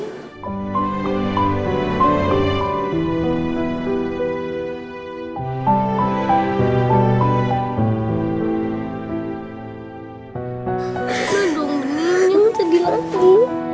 padahal beningnya mau jadi lagi